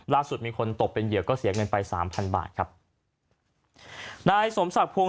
ล่าสุดมีคนตกเป็นเหยื่อก็เสียเงินไปสามพันบาทครับนายสมศักดิ์พงศ